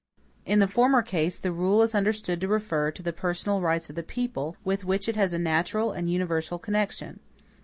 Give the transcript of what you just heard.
In the former case, the rule is understood to refer to the personal rights of the people, with which it has a natural and universal connection.